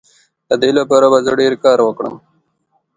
د دې لپاره به زه ډیر کار وکړم.